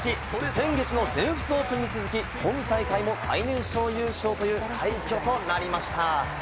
先月の全仏オープンに続き、今大会も最年少優勝という快挙となりました。